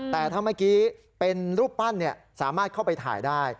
แต่ถ้าเมื่อกี้เป็นรูปปั้นสามารถเข้าไปถ่ายได้